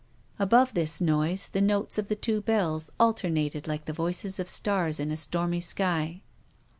Above this noise the notes of the two bells alternated like the voices of stars in a stormy sky.